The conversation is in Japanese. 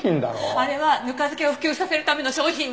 あれはぬか漬けを普及させるための商品で。